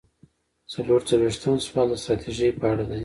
څلور څلویښتم سوال د ستراتیژۍ په اړه دی.